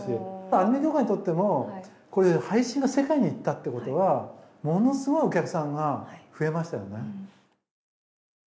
アニメ業界にとってもこういう配信が世界にいったっていうことはものすごいお客さんが増えましたよね。